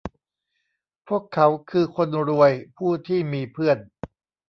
พวกเขาคือคนรวยผู้ที่มีเพื่อน